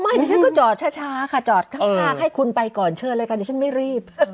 อ๋อไม่เดี๋ยวฉันก็จอดช้าค่ะจอดข้างห้าให้คุณไปก่อนเชิญเลยค่ะเดี๋ยวฉันไม่รีบ